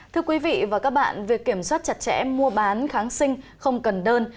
thưa quý vị và các bạn việc kiểm soát chặt chẽ mua bán kháng sinh không cần đơn